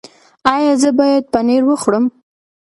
ایا زه باید پنیر وخورم؟